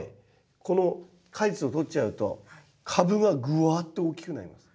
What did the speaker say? この果実を取っちゃうと株がぐわっと大きくなります。